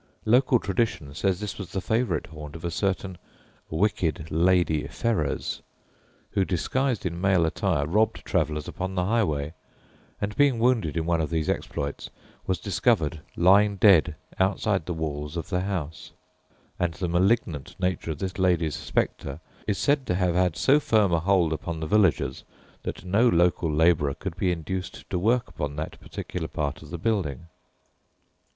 Local tradition says this was the favourite haunt of a certain "wicked Lady Ferrers," who, disguised in male attire, robbed travellers upon the highway, and being wounded in one of these exploits, was discovered lying dead outside the walls of the house; and the malignant nature of this lady's spectre is said to have had so firm a hold upon the villagers that no local labourer could be induced to work upon that particular part of the building.